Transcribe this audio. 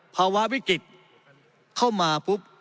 ภาวะวิกฤตเข้ามาปุ๊บ